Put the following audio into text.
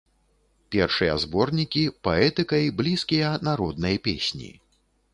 Першыя зборнікі паэтыкай блізкія народнай песні.